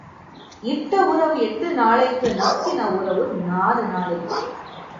இட்ட உறவு எட்டு நாளைக்கு நக்கின உறவு நாலு நாலைக்கு.